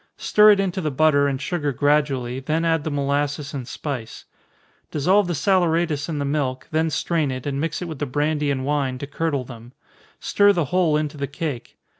Stir it into the butter and sugar gradually, then add the molasses and spice. Dissolve the saleratus in the milk, then strain it, and mix it with the brandy and wine, to curdle them stir the whole into the cake.